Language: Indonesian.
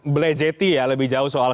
melejeti ya lebih jauh soal